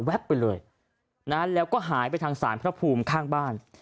ไปเลยนะแล้วก็หายไปทางศาลพระภูมิข้างบ้าน